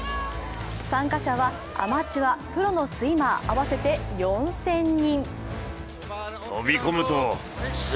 参加者はアマチュア、プロのスイマー、合わせて４０００人。